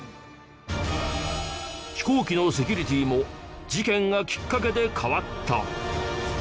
飛行機のセキュリティも事件がきっかけで変わった！